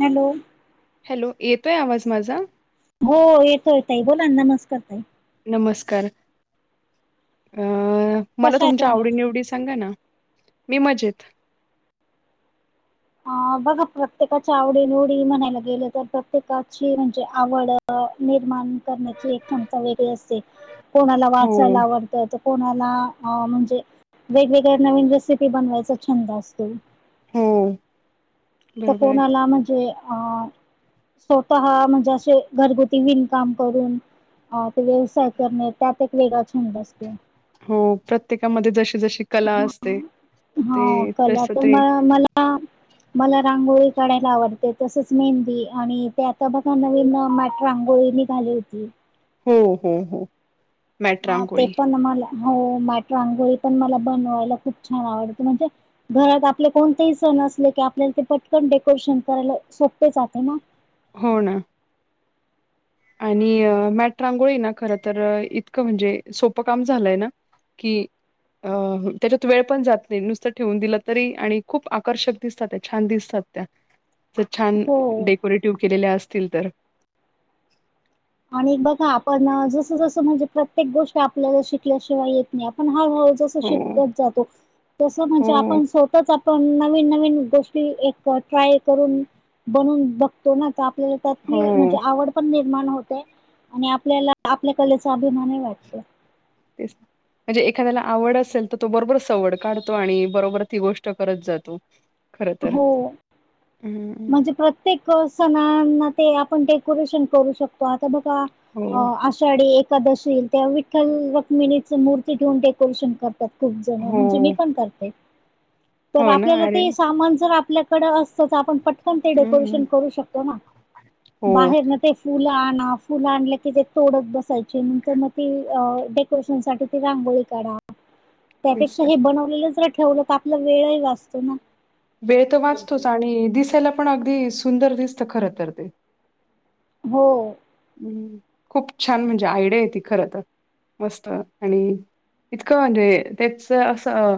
Hello hello येतोय आवाज माझा? हो येतोय ताई बोलान नमस्कार ताई नमस्कार, अ मला कशा आहे तुमच्या तुम्ही? आवडी निवडी सांगा ना? मी मजेत अ बघा प्रत्येकाच्या आवडी निवडी म्हणायला गेलं तर प्रत्येकाची म्हणजे आवड निर्माण करण्याची एक क्षमता वेगळी असते कोणाला हो, वाचायला आवडतय तर कोणाला म्हणजे वेगवेगळ्या नवीन रेसिपी बनवायचा छंद असतो. हं तर कोणाला म्हणजे अ स्वतः म्हणजे असे घरगुती विणकाम करून ह ते व्यवसाय करणे त्यात एक वेगळा छंद असतो. हो प्रत्येकामध्ये जशी जशी कला असते हो ते कला तस तर म ते मला [unintelligible] मला रांगोळी काढायला आवडते तसच मेहंदी आणि ते आता बघा नवीन मॅट रांगोळी झाली होती. हो हो हो मॅट हा ते रांगोळी. पण मला हो मॅट रांगोळी पण मला बनवायला खूप छान आवडते म्हणजे घरात आपले कोणतेही सण असले की आपल्याला ते पटकन डेकोरेशन करायला सोपे जाते ना? हो ना आणि मॅट रांगोळी ना खर तर इतकं म्हणजे सोपं काम झालंय ना की अ त्याच्यात वेळ पण जात नाही नुसतं ठेवून दिलं तरी आणि खूप आकर्षक दिसतात त्या छान दिसतात त्या असं छान हो डेकोरेटिव्ह केलेल्या असतील तर आणि बघा आपण जसं जसं म्हणजे प्रत्येक गोष्टी आपल्याला शिकल्याशिवाय येत नाही आपण हळूहळू जस तो हो, शिकत जातो. तस म्हणजे हो. आपण सोताच आपण नवीन नवीन गोष्टी एक ट्राय करून बनून बघतो ना तर आपल्याला त्यातली हो म्हणजे आवड पण निर्माण होते आणि आपल्याला आपल्या कलेचा अभिमानही वाटतो तेच म्हणजे एखाद्याला आवड असेल तर तो बरोबर सवड काढतो आणि बरोबर ती गोष्ट करत जातो खरं तर हो हं, म्हणजे प्रत्य तेक सणाना ते आपण डेकोरेशन करू शकतो आता बघा अ हो, आ आषाढी एकादशी त्या विठ्ठल रुक्मिणीच मूर्ती ठेऊन डेकोरेशन कर खूप जण हो, म्हणजे मी पण करते तर हो ना आपल्याला अरे ते वाह! सामान जर आपल्याकडं असतं. तर आपण पट पण ते हं, डेकोरेशन करू शकतो ना हो बाहेरनं ते फुलं आणा फुलं आणले की ते तोडत बसायचे नंतर मग ते पुरुषांसाठी ती रांगोळी काढा [inaudible] त्यापेक्षा तर. हे बनवलेलंच जर ठेवलं तर आपला वेळही वाचतो ना? वेळ तर वाचतोच आणि दिसायला पण अगदी सुंदर दिसत खरं तर ते हो हम् खूप छान म्हणजे आयडिया ती खर तर मस्त आणि इतकं म्हणजे त्याच असं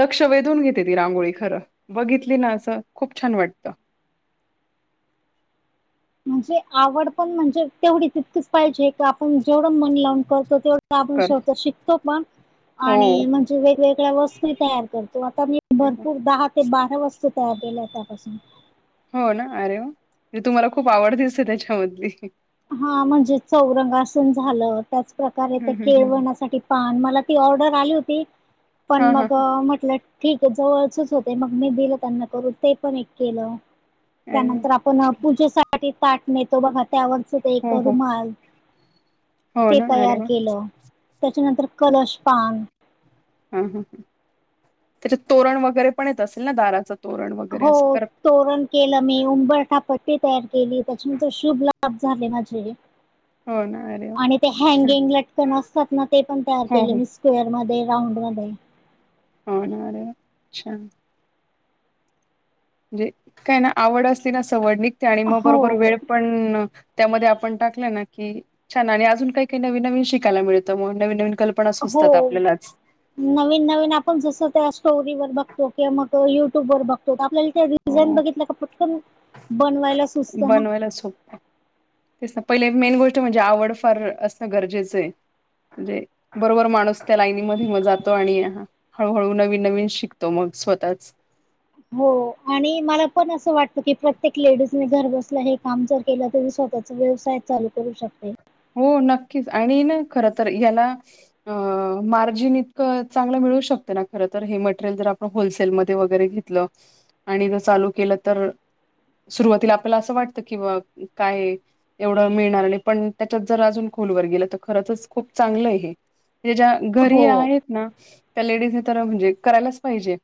लक्ष वेधून घेते ती रांगोळी खरं बघितली ना असं खूप छान वाटतं म्हणजे आवड पण म्हणजे तेवढी तितकीच पाहिजे का आपण जेवढं मन लावून करतो तेवढं आपण कर स्वतः शिकतो पण हो आणि म्हणजे वेगवेगळ्या वस्तू ही तयार करतो आता मी तेच. भरपूर दहा ते बारा वस्तू तयार केल्यात त्या पासून हो ना, अरे वा, म्हणजे तुम्हाला खूप आवड दिसते, त्याच्यामधली. हा म्हणजे, चौरंगासन झालं, त्याच प्रकारे हं, त्या हं, हं. केळवणासाठी पान, मला ती ऑर्डर आली होती. पण हां, हां, मग हां. म्हटलं. ठीके. जवळचच होते. मग मी दिलं त्यांना करून. ते पण एक केलं. अरे वाह! त्यानंतर, आपण पूजेसाठी ताट नेतो बघा. त्यावर एक हो, हो. रुमाल, हो ते ना, अरे तयार वाह! केलं. त्याच्यानंतर कलश पान. ह ह ह, त्याच्यात तोरण वगैरे पण येत असेल ना. दाराच. हो, तोरण केलं मी. उंबरठा पट्टी तयार केली. त्याच्या शुभ लाभ झाले माझे. हो ना. अरे वाह! आणि ते छान. हँगिंग लटकन असतात ना. ते पण तयार हो, केले हो. मी. स्क्वेअर मध्ये राऊंड मध्ये. हो णा. अरे वा छान. म्हणजे काय ना, आवड असते ना, सवड निघते. आणि मग बरोबर हो वेळ पण त्यामध्ये आपण टाकलं ना की. छान. आणि अजून काही काही नवीन नवीन शिकायला मिळतं म. नवीन नवीन कल्पना हो सुचतात आपल्यालाच. नवीन नवीन आपण जसं त्या स्टोरीवर बघतो. किंवा मग युट्यूब वर बघतो. आपल्याला रिझाईन हो, बघितलं का? फटकन बनवायला सोपं. ते ना पहिले मेन गोष्ट म्हणजे आवड फार असणं गरजेचंय. म्हणजे बरोबर माणूस त्या लाईनीमध्ये म जातो. आणि ह हळूहळू नवीन नवीन शिकतो मग, स्वतःच. हो. आणि मला पण असं वाटतं की. प्रत्येक लेडीजने घर बसल्या हे काम जर केला तरी, स्वतःचा व्यवसाय चालू करू शकते. हो नक्कीच, आणि ना खर तर याला अ मार्जिन इतकं चांगलं मिळू शकतं ना खर तर. हे मटेरियल जर आपण होलसेलमध्ये वगैरे घेत आणि ज चालू केलं तर. सुरुवातीला आपल्याला असं वाटतं की बा. काय एवढं मिळणार नाही. पण त्याच्यात जर अजून खोलवर गेलं तर. खरचच खूप चांगलंय हे. म्हणजे ज्या घरी हो आहेत ना. त्या लेडीजने तर म्हणजे करायलाच पाहिजे.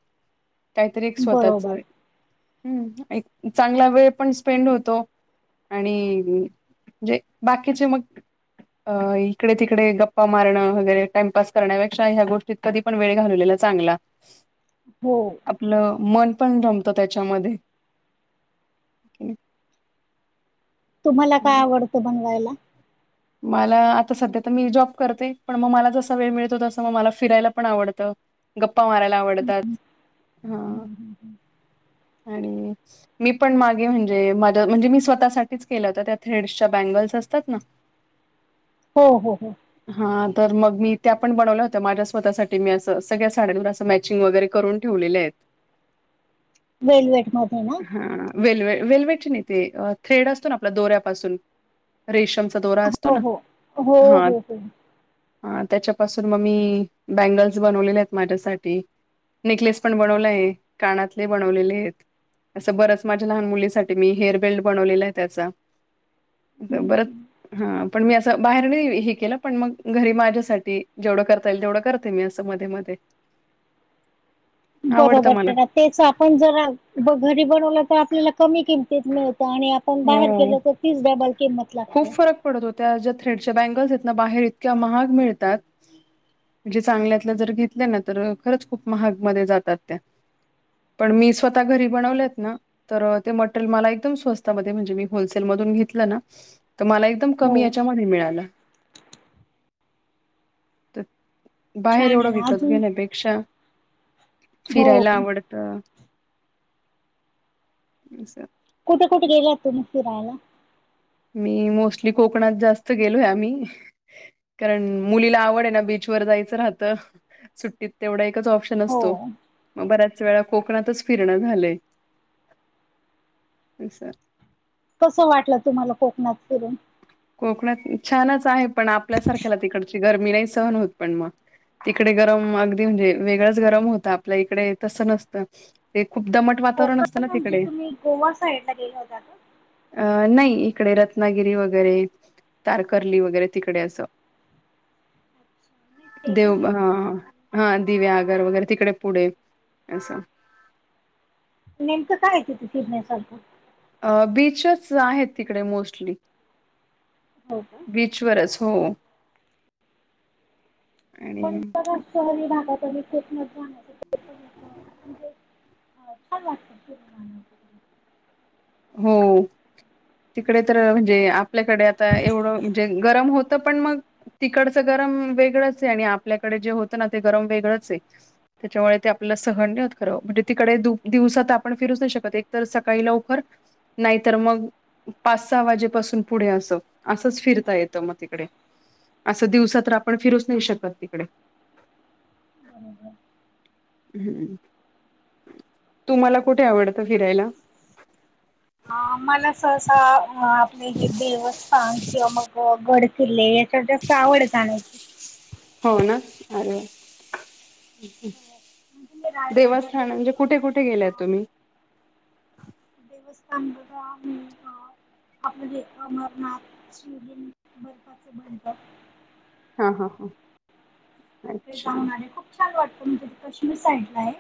काहीतरी एक स्वतःच. बरोबर हम्म. एक चांगला वेळ पण स्पेंड होतो. आणि म्हजे बाकीचे मग अ इकडे तिकडे गप्पा मारणं, वगैरे टाइमपास करण्यापेक्षा ह्या, गोष्टी कधी पण वेळ घालवलेला चांगला. हो. आपलं मन पण रमत. त्याच्यामध्ये. तुम्हाला काय आवडतं. बनवायला. मला. आता सध्या तर मी जॉब करते. पण मग मला जसा वेळ मिळतो, तसं मग मला फिरायला पण आवडतं. गप्पा मारायला आवडतात. हा हम [inaudible] आणि मी पण मागे म्हणजे, माझ्या म्हणजे मी स्वतःसाठीच केलं होत त्या थ्रेडसच्या बँगल्स असतात ना. हो हो हो. हा तर मग मी त्या पण बनवल्या होत्या. माझ्या स्वतःसाठी मी असं, सगळ्या साड्यांवर असं मॅचिंग वगैरे करून ठेवलेल्यायेत. वेलवेट मध्ये ना. हां, वेल्वे वेल्वेटची नाही. ते थ्रेड असतो ना आपल्या दोऱ्यापासून. रेशम दोरा असतो हो ना, हो हो हो हा. हो हम्म ह. त्याच्यापासून मग मी बँगल्स बनवलेलेयात. माझ्यासाठी. नेकलेस पण बनवलाय. कानातले बनवलेलेयत. असं बरच माझ्या लहान मुलीसाठी मी हेअरबेल्ट बनवलेला आहे त्याचा असं बरच हम्म. हा पण मी असं बाहेर नाही ही केलं पण मग घरी माझ्यासाठी जेवढं करता येईल तेवढं करते मी असं मध्ये मध्ये [unintelligible] बरोबर त्याच आपण जरा घरी बनवलं तर आपल्याला कमी कि मिळत आणि आपण हो बाहेर गेलो तर तीच डबल किंमत खूप लागते फरक पडत होत्या ज्या थ्रेडच्या बँगल्स आहेत बाहेर इतक्या महाग मिळतात म्हणजे चांगल्यातल्या जर घेतल्या ना तर खरंच खूप महाग मध्ये जातात त्या पण मी स्वतः घरी बनवलेत ना तर ते मला एकदम स्वस्तामध्ये म्हणजे मी होलसेलमधे घेतलं ना एकदम कमी हो याच्यामध्ये मिळाल बाहेर छान आहे एवढं ना विकत अजून घेण्यापेक्षा हो फिरायला आवड त अस कुठे कुठे गेलात तुम्ही फिरायला मी मोस्टली कोकणात जास्त गेलोय आम्ही कारण मुलीला आवड आहे ना बीचवर जायचं राहतं सुट्टीत तेवढं एकच ऑप्शन असतो हो मग बऱ्याच वेळा कोकणातच फिरण झालंय असं कसं वाटलं तुम्हाला कोकणात फिरून कोकणात छानच आहे पण आपल्यासारख्याला तिकडची गरमी नाही सहन होत पण मग तिकडे गरम अगदी म्हणजे वेगळंच गरम होतं आपल्या इकडे तसं नसतं ते खूप दमट वातावरण असत कोकण म्हणजे तुम्ही गोवा साईड ला गेला होता अ नाही इकडे रत्नागिरी वगै वगैरे तारकर्ली वगैरे तिकडे असं अच्छा, नाही ते नाही देव माहित हा मला हा दिव्या आगर वगैरे तिकडे पुढे असं नेमकं काय तिथे फिरण्यासारखं अ बीचच आहेत तिकडे मोस्टली हो का बीचवरच हो आणि पण शहरी भागात [unintelligible] अ छान लागत ते. हो तिकडे तर म्हणजे आपल्याकडे आता एवढं म्हणजे गरम होतं पण मग तिकडचं गरम वेगळंच आहे आणि आपल्याकडे जे होतं ना ते गरम वेगळंच आहे. त्याच्यामुळे ते आपल्याला सहन नाही होत खरं म्हणजे तिकडे दिवसात आपण फिरूच नाही शकत एक तर सकाळी लवकर नाहीतर मग पाच सहा वाजेपासून पुढे असं असंच फिरता येतं मग तिकडे. असं दिवसात तर आपण फिरूच नाही शकत तिकडे. बरोबर. हम् तुम्हाला कुठे आवडतं फिरायला. आ मला सहसा अ आपले हे देवस्थान किंवा मग गड किल्ले याच्यावर जास्त आवड आहे जाणे हो ना अरे वा हो, म्हणजे मी रायगडला देवस्थान गेलेले म्हणजे कुठे होते कुठे गेल्यात तर तुम्ही. देवस्थान बघा हुं अ आपलं जे अमरनाथ शिवलिंग बर्फाच बनत. हा हा हा. तिकडे अच्छा जाऊन आले खूप छान वाटतं म्हणजे कश्मीर साइड ला आहे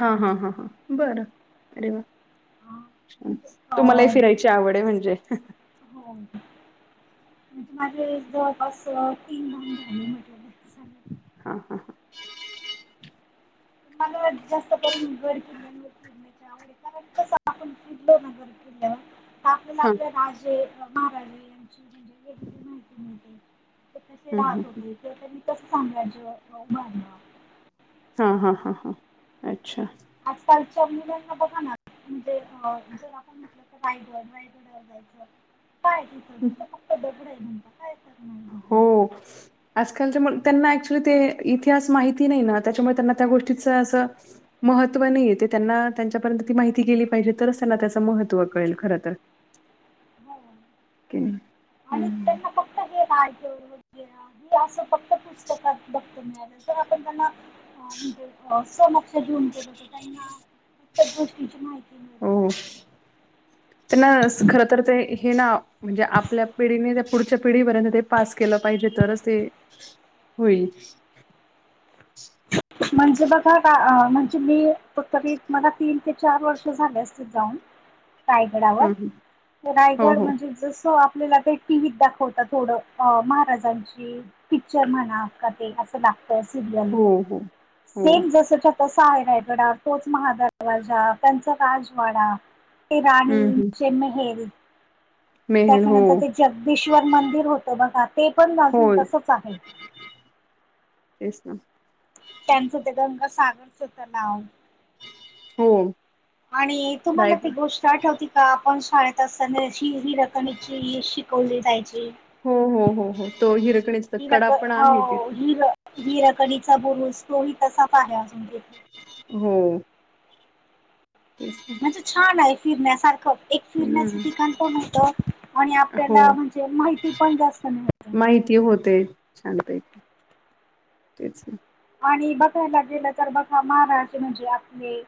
हा हा हा ह बरं अरे वा अ, अच्छा म्हणजे अ, तुम्हालाही फिराय ची आवड आहे म्हणजे. हो म्हणजे माझे जवळपास तीन भाग झाले म्हटल. हा हा [unintelligible] [unintelligible] आपल्याला हां आपले राजे महाराजे यांची म्हणजे वेगवेगळी माहिती मिळते. कसे हं, हं, राहत हं. होते किंवा त्यांनी कसं साम्राज्य उभारल हां हां हां हां अच्छा. आजकालच्या मुलांना बघा ना म्हणजे अ जर आपण म्हटलं तर रायगड रायगड काय आहे तिथं तिथे फक्त दगड आहे म्हणता. काय करणार हो. जाऊन. आजकालच्या मुल त्यांना ऍक्च्युली ते इतिहास माहिती नाही ना त्याच्यामुळे त्यांना त्या गोष्टीच असं महत्त्व नाहीये ते त्यांना त्यांच्यापर्यंत ती माहिती गेली पाहिजे तरच त्यांना त्याचं महत्त्व कळेल खर तर. हो. क हम् ह [unintelligible] ते असं फक्त पुस्तकात बघता मिळालंं जर आपण त्यांना म्हणजे अ समक्ष घेऊन गेल त त्यांना प्रत्येक गोष्टीची माहिती हो मिळते ना. हो त्यांना खर तर ते हे ना म्हणजे आपल्या पिढीने ते पुढच्या पिढीपर्यंत ते पास केलं पाहिजे तरच ते होईल. म्हणजे बघा का अ म्हणजे मी त री मला तीन ते चार वर्ष झाले असतील. जाऊन रायगडावर हं, हं. हो रायगड हो म्हणजे जस आपल्याला काही टीव्हीत दाखवता थोडं महाराजांची पिक्चर म्हणा का ते अस लागतय सिरयल हो हो. हो सेम जसच्या तसा आहे रायगडा तोच महादरवाजा त्यांचा राजवाडा ते हं, राणी हं. चे मेहेल मेहेर हो त्याच्यानंतर ते जगदीेश्वर मंदिर होतं बघा ते पण गजून होय तसंच आहे. तेच ना त्यांचं ते गंगासागरचं तलाव हो आणि तुम्हाला रायग त गोष्ट आठवती का आपण शाळेत असताना हिर कणी ची शिकवली जायची हो हो हो हो तो हिरकणीचा कडा हिरक पण आहे हो तिथे हिर हिरकणीचा बुरुज तोही तसाच आहे अजून हो तेच आहे म्हणजे छान आहे फिरण्यासारखं एक फिरण्याचं ठिकाण पण होत आणि हो आपल्याला म्हणजे माहिती पण जास्त मिळ माहिती होते छानपैकी तेच ना आणि बघायला गेलं तर बघा महाराज म्हणजे आपले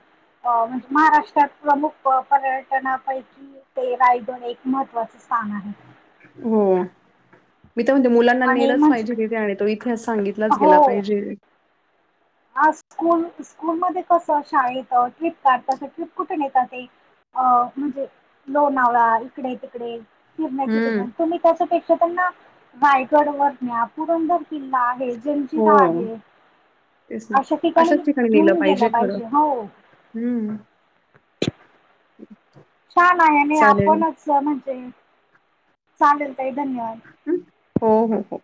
अ म्हणजे महाराष्ट्रात प्रमुख पर्यटनापैकी ते रायडन एक महत्त्वाचं स्थान आहे हो मी तर म्हणते मुलांना आणि नेलंच म्हणजे पाहिजे तिथे आण तो इ तिहास सांगितलाच हो गेला पाहिजे आज स्कूल स्कूलमध्येसं शाळेत ट्रिप काढतात ट्रिप कुठून येतात ते अ म्हणजे लोणावळा इकडे तिकडे फिरण्याचे हम्म ठिकाण तुम्ही तच्यापेक्षा त्यांना रायगड वर न्या पुरंदर किल्ला आहे हो जंजिरा आहे तेच ना अशा अशाच ठिकाणी नेलं घेऊन गेलं पाहिजे खरं हो हम्म छान आहे आणि चालेल आपणच म्हणजे चालेल तई धन्यवाद हो हो हो